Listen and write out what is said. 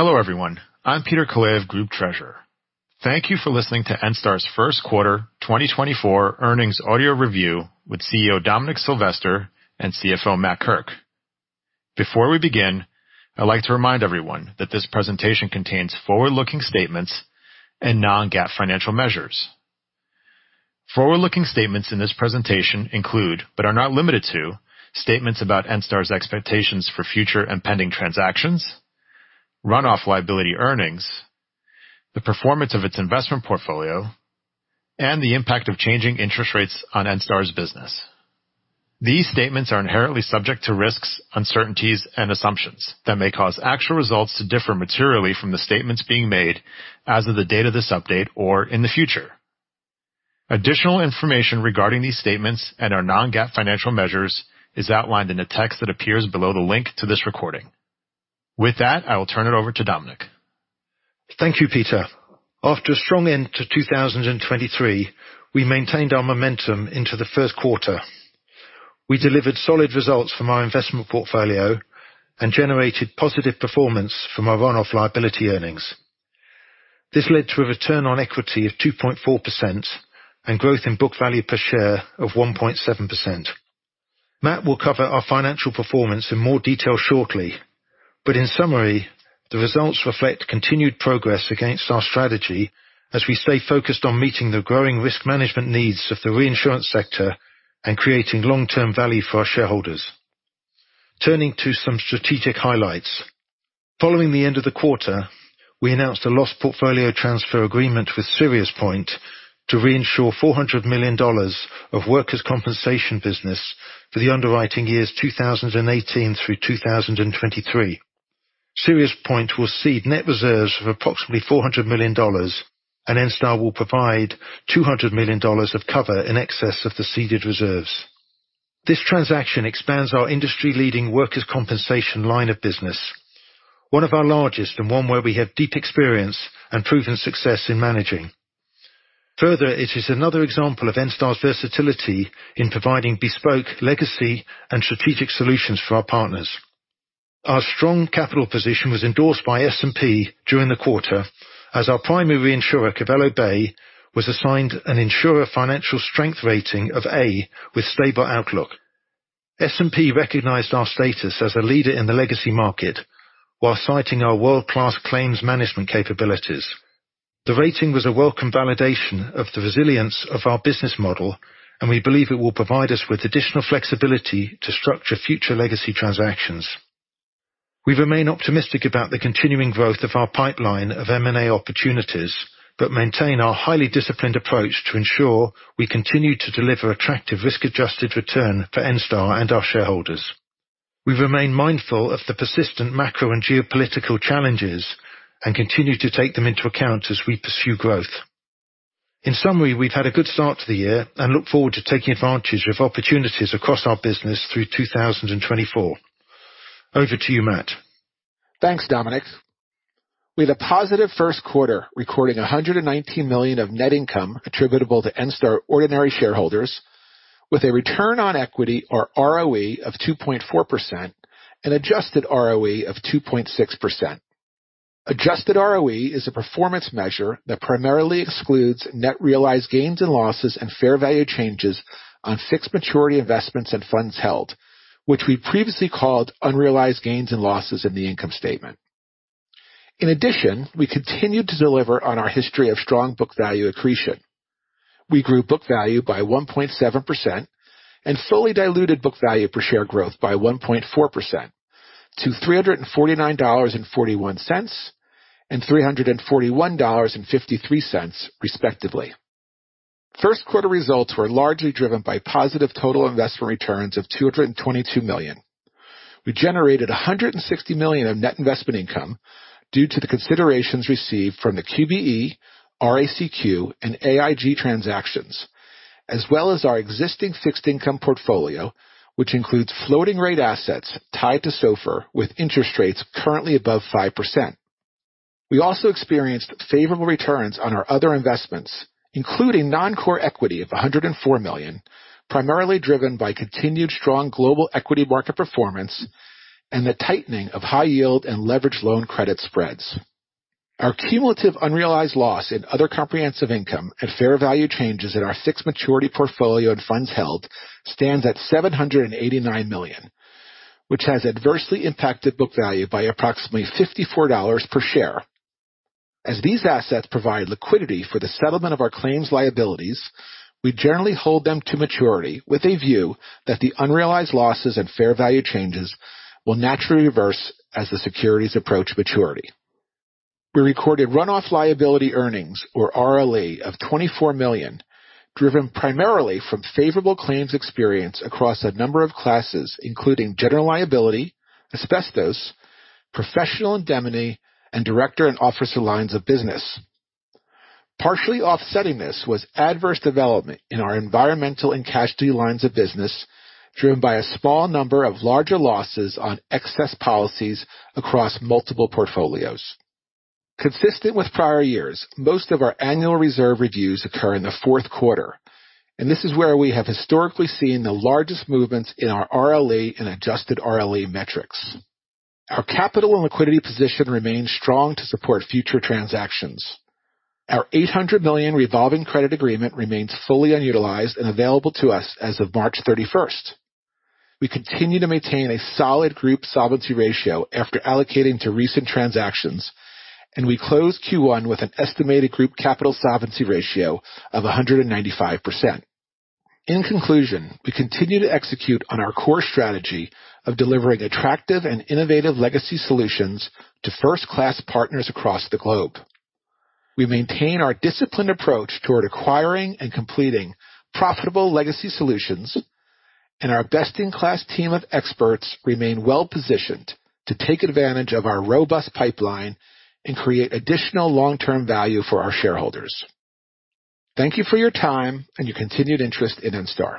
Hello, everyone. I'm Peter Kalaev, Group Treasurer. Thank you for listening to Enstar's First Quarter 2024 Earnings Audio Review with CEO Dominic Silvester and CFO Matt Kirk. Before we begin, I'd like to remind everyone that this presentation contains forward-looking statements and non-GAAP financial measures. Forward-looking statements in this presentation include, but are not limited to, statements about Enstar's expectations for future and pending transactions, runoff liability earnings, the performance of its investment portfolio, and the impact of changing interest rates on Enstar's business. These statements are inherently subject to risks, uncertainties, and assumptions that may cause actual results to differ materially from the statements being made as of the date of this update or in the future. Additional information regarding these statements and our non-GAAP financial measures is outlined in the text that appears below the link to this recording. With that, I will turn it over to Dominic. Thank you, Peter. After a strong end to 2023, we maintained our momentum into the first quarter. We delivered solid results from our investment portfolio and generated positive performance from our runoff liability earnings. This led to a return on equity of 2.4% and growth in book value per share of 1.7%. Matt will cover our financial performance in more detail shortly, but in summary, the results reflect continued progress against our strategy as we stay focused on meeting the growing risk management needs of the reinsurance sector and creating long-term value for our shareholders. Turning to some strategic highlights. Following the end of the quarter, we announced a loss portfolio transfer agreement with SiriusPoint to reinsure $400 million of workers' compensation business for the underwriting years 2018 through 2023. SiriusPoint will cede net reserves of approximately $400 million, and Enstar will provide $200 million of cover in excess of the ceded reserves. This transaction expands our industry-leading workers' compensation line of business, one of our largest, and one where we have deep experience and proven success in managing. Further, it is another example of Enstar's versatility in providing bespoke legacy and strategic solutions for our partners. Our strong capital position was endorsed by S&P during the quarter as our primary insurer, Cavello Bay, was assigned an insurer financial strength rating of A with stable outlook. S&P recognized our status as a leader in the legacy market while citing our world-class claims management capabilities. The rating was a welcome validation of the resilience of our business model, and we believe it will provide us with additional flexibility to structure future legacy transactions. We remain optimistic about the continuing growth of our pipeline of M&A opportunities, but maintain our highly disciplined approach to ensure we continue to deliver attractive risk-adjusted return for Enstar and our shareholders. We remain mindful of the persistent macro and geopolitical challenges and continue to take them into account as we pursue growth. In summary, we've had a good start to the year and look forward to taking advantage of opportunities across our business through 2024. Over to you, Matt. Thanks, Dominic. We had a positive first quarter, recording $119 million of net income attributable to Enstar ordinary shareholders with a return on equity, or ROE, of 2.4% and adjusted ROE of 2.6%. Adjusted ROE is a performance measure that primarily excludes net realized gains and losses and fair value changes on fixed maturity investments and funds held, which we previously called unrealized gains and losses in the income statement. In addition, we continued to deliver on our history of strong book value accretion. We grew book value by 1.7% and fully diluted book value per share growth by 1.4% to $349.41 and $341.53, respectively. First quarter results were largely driven by positive total investment returns of $222 million. We generated $160 million of net investment income due to the considerations received from the QBE, RACQ, and AIG transactions, as well as our existing fixed income portfolio, which includes floating rate assets tied to SOFR, with interest rates currently above 5%. We also experienced favorable returns on our other investments, including non-core equity of $104 million, primarily driven by continued strong global equity market performance and the tightening of high yield and leveraged loan credit spreads. Our cumulative unrealized loss in other comprehensive income and fair value changes in our fixed maturity portfolio and funds held stands at $789 million, which has adversely impacted book value by approximately $54 per share. As these assets provide liquidity for the settlement of our claims liabilities, we generally hold them to maturity with a view that the unrealized losses and fair value changes will naturally reverse as the securities approach maturity. We recorded runoff liability earnings, or RLE, of $24 million, driven primarily from favorable claims experience across a number of classes, including general liability, asbestos, professional indemnity, and director and officer lines of business. Partially offsetting this was adverse development in our environmental and casualty lines of business, driven by a small number of larger losses on excess policies across multiple portfolios. Consistent with prior years, most of our annual reserve reviews occur in the fourth quarter, and this is where we have historically seen the largest movements in our RLE and adjusted RLE metrics. Our capital and liquidity position remains strong to support future transactions. Our $800 million revolving credit agreement remains fully unutilized and available to us as of March thirty-first. We continue to maintain a solid group solvency ratio after allocating to recent transactions, and we closed Q1 with an estimated group capital solvency ratio of 195%. In conclusion, we continue to execute on our core strategy of delivering attractive and innovative legacy solutions to first-class partners across the globe. We maintain our disciplined approach toward acquiring and completing profitable legacy solutions, and our best-in-class team of experts remain well positioned to take advantage of our robust pipeline and create additional long-term value for our shareholders. Thank you for your time and your continued interest in Enstar.